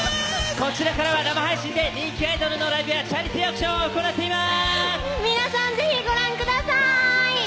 こちらからは生配信で人気アイドルのライブやチャリティーオークションを行っています。